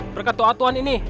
berkat doa tuhan ini